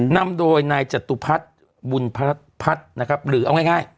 นำโดยนายจตุพัฒน์บุญพัฒน์นะครับหรือเอาง่าย